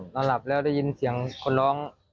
หลับแล้วได้ยินเสียงคนร้อง